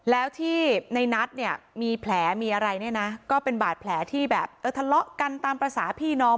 แล้วที่ในนัทเนี่ยมีแผลมีอะไรเนี่ยนะก็เป็นบาดแผลที่แบบเออทะเลาะกันตามภาษาพี่น้อง